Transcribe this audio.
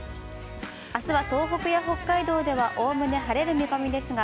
あすは東北や北海道では、おおむね晴れる見込みですが、